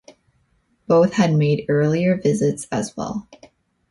Both had made earlier visits as well.